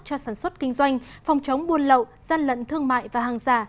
cho sản xuất kinh doanh phòng chống buôn lậu gian lận thương mại và hàng giả